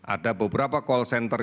ada beberapa call center